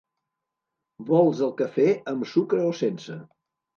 Vols el cafè amb sucre o sense?